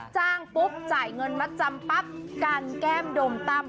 จ้างปุ๊บจ่ายเงินมัดจำปั๊บกันแก้มดมตั้ม